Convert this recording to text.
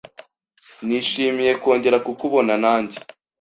Nishimiye kongera kukubona nanjye